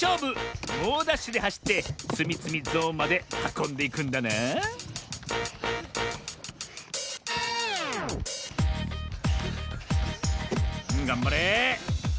もうダッシュではしってつみつみゾーンまではこんでいくんだながんばれ。